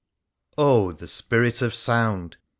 Oh ! the Spirit of Sound